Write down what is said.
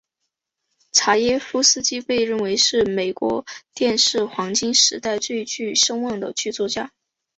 查耶夫斯基被认为是美国电视黄金时代最具声望的剧作家。